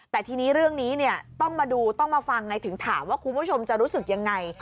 แต่ทีนี้เรื่องนี้ต้องมาดูต้องมาฟังไงถึงถามว่าคุณผู้ชมจะรู้สึกยังไง